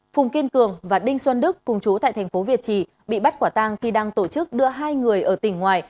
phùng kiên cường và đinh xuân đức cùng chú tại thành phố việt trì bị bắt quả tang khi đang tổ chức đưa hai người ở tỉnh ngoài